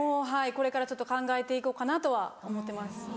はいこれからちょっと考えて行こうかなとは思ってます。